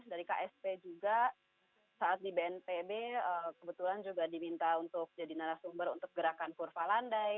dari ksp juga saat di bnpb kebetulan juga diminta untuk jadi narasumber untuk gerakan kurva landai